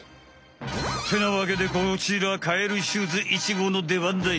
ってなわけでこちらカエルシューズ１号のでばんだい。